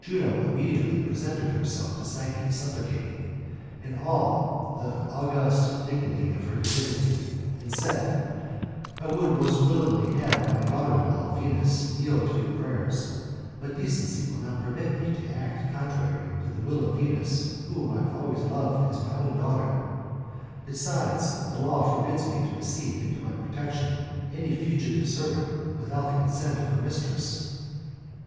Juno immediately presented herself to Psyche supplicating, in all the august dignity of her divinity, and said, " I would most willingly have my daughter in law, Venus, yield to your prayers; but decency will not permit me to act contrary to the will of Venus, whom I have always loved as my own daughter. Besides, the law forbids me to receive into my protection, any fugitive servant, without the consent of her mistress."